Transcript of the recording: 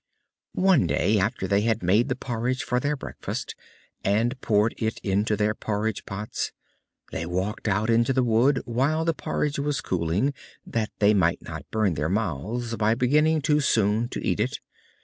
One day, after they had made the porridge for their breakfast, and poured it into their porridge pots, they walked out into the wood while the porridge was cooling, that they might not burn their mouths by beginning too soon to eat it.